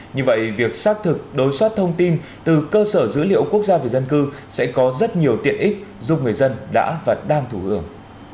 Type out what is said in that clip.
như vậy việc xác thực đối xoát thông tin từ cơ sở dữ liệu quốc gia về dân cư sẽ có rất nhiều tiện ích giúp người dân đã và đang thủ hưởng